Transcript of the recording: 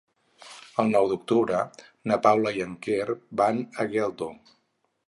El nou d'octubre na Paula i en Quer van a Geldo.